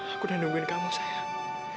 aku dandungin kamu sayang